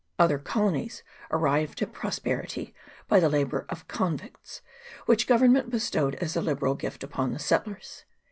Other colonies arrived at prosperity by the labour of convicts, which Government bestowed as a liberal gift upon the settlers.